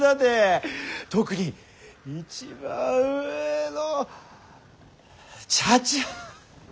特に一番上の茶々。